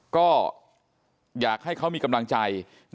ก็อยากให้เขามีกำลังใจ